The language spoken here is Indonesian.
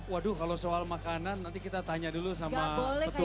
waduh kalau soal makanan nanti kita tanya dulu sama petugas